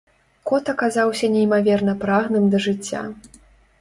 Кот аказаўся неймаверна прагным да жыцця.